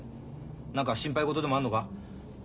何か心配事でもあんのか？